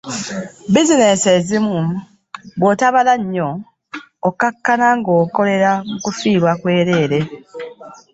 Bizineesi ezimu bw'otabala nnyo okkakkana ng'okolera mu kufiirwa kwereere.